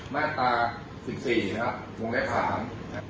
มาตรา๑๔วงแรกผ่าน